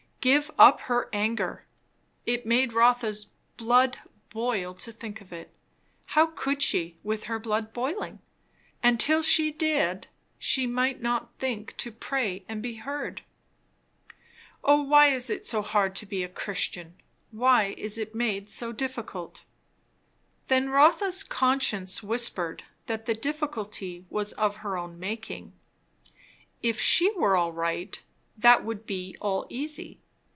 Give up her anger! It made Rotha's blood boil to think of it. How could she, with her blood boiling? And till she did she might not think to pray and be heard. O why is it so hard to be a Christian! why is it made so difficult! Then Rotha's conscience whispered that the difficulty was of her own making; if she were all right, that would be all easy.